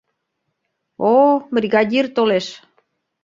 — О-о, бригадир толеш!